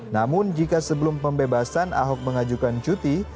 namun jika sebelum pembebasan ahok mengajukan cuti